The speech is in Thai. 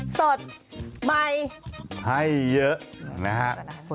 สดใหม่ให้เยอะนะฮะ